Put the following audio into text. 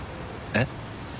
えっ？